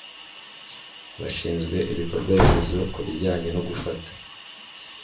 bashinzwe ibikorwa remezo ku bijyanye no gufata